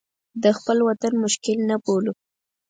د خپل وطن مشکل نه بولو.